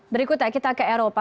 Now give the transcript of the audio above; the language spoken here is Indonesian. berikutnya kita ke eropa